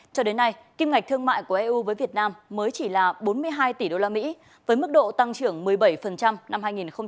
cho đến nay kim ngạch thương mại của eu với việt nam mới chỉ là bốn mươi hai tỷ usd với mức độ tăng trưởng một mươi bảy năm hai nghìn một mươi tám